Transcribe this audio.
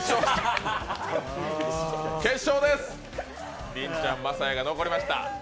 決勝です、りんちゃん晶哉が残りました。